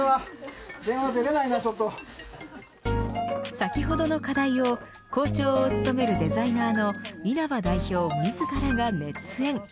先ほどの課題を校長を務めるデザイナーの稲波代表自らが熱演。